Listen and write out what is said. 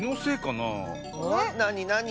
なになに？